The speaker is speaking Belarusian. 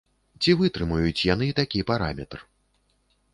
Ці вытрымаюць яны такі параметр?